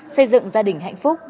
xây dựng gia đình hạnh phúc